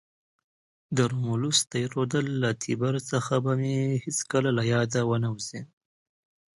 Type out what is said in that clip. د رومولوس تی رودل له تیبر څخه به مې هیڅکله له یاده ونه وزي.